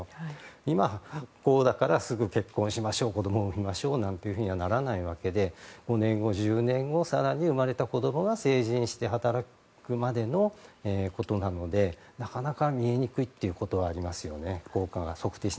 今こうだからすぐ結婚しましょう子供を産みましょうなんていうふうにはならないわけで２０年後、生まれた子供が成人して、働くまでのことなのでなかなか見えにくいことはありますよね。